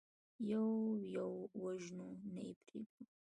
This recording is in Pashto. يو يو وژنو، نه يې پرېږدو.